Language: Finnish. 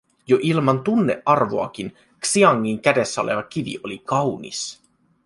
Jo ilman tunnearvoakin Xiangin kädessä oleva kivi oli kaunis;